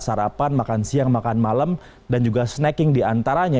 sarapan makan siang makan malam dan juga snacking diantaranya